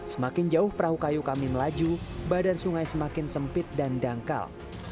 semakin jauh perahu kayu kami melaju badan sungai semakin sempit dan dangkal